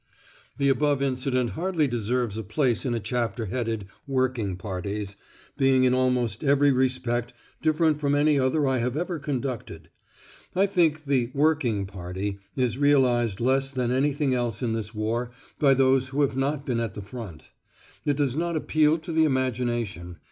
The above incident hardly deserves a place in a chapter headed "working parties," being in almost every respect different from any other I have ever conducted. I think the "working party" is realised less than anything else in this war by those who have not been at the front. It does not appeal to the imagination.